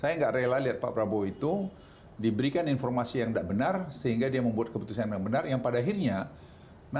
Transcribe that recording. sampai diterima nasi ini mimics that pak prabowo diberikan informasi yang benar sehingga dia membuat keputusan yang benar yang pada akhirnya lah